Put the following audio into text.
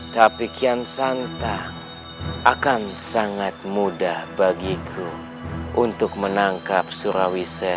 kau ingin aku melepaskan keponakan keluarga dana